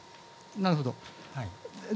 なるほど。